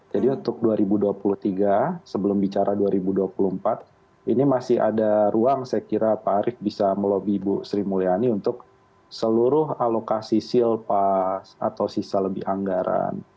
jadi untuk dua ribu dua puluh tiga sebelum bicara dua ribu dua puluh empat ini masih ada ruang saya kira pak arief bisa melobi bu sri mulyani untuk seluruh alokasi silpa atau sisa lebih anggaran